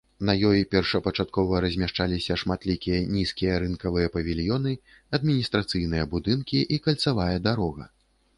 На ёй першапачаткова размяшчаліся шматлікія нізкія рынкавыя павільёны, адміністрацыйныя будынкі і кальцавая дарога.